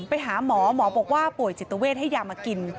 ไปหาหมอหมอบอกว่าป่วยจิตเวทให้ยามากิน